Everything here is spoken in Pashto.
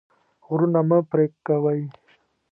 غرونه مه پرې کوئ.